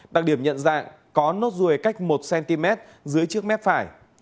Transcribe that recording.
đặc điểm nhận dạng có nốt ruồi cách một cm dưới trước mép phải